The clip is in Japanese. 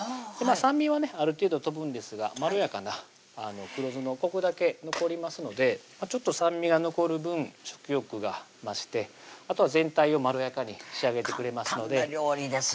酸味はねある程度飛ぶんですがまろやかな黒酢のコクだけ残りますのでちょっと酸味が残る分食欲が増してあとは全体をまろやかに仕上げてくれますので簡単な料理ですね